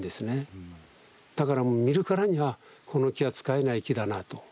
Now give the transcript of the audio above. だから見るからにあこの木は使えない木だなと。